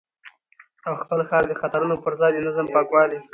او خپل ښار د خطرونو پر ځای د نظم، پاکوالي